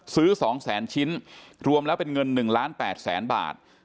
ซื้อ๒แสนชิ้นรวมแล้วเป็นเงิน๑ล้าน๘แสนบาท